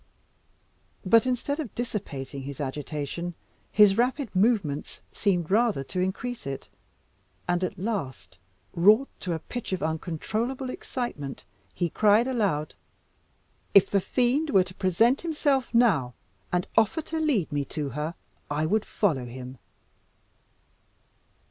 But instead of dissipating his agitation, his rapid movements seemed rather to increase it, and at last, wrought to a pitch of uncontrollable excitement, he cried aloud "If the fiend were to present himself now, and offer to lead me to her, I would follow him."